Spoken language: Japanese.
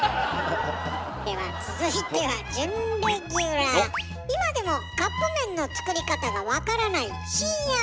では続いては今でもカップ麺の作り方が分からない